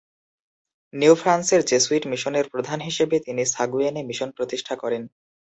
New ফ্রান্সের Jesuit মিশনের প্রধান হিসেবে তিনি সাগুয়েনে মিশন প্রতিষ্ঠা করেন।